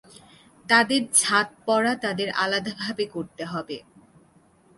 তাদের "ছাদ" পরা তাদের আলাদাভাবে করতে হবে।